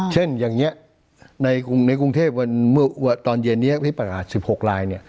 เช่นอย่างนี้ในกรุงเทพฯตอนเย็นนี้พิปราหร่า๑๖ลาย